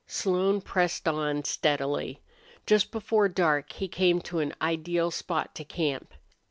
Slone pressed on steadily. Just before dark he came to an ideal spot to camp.